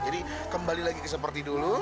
jadi kembali lagi seperti dulu